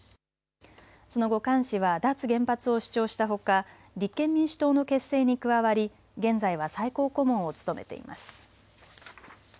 その後、菅氏は脱原発を主張したほか立憲民主党の結成に加わり現在は最高顧問を務めています。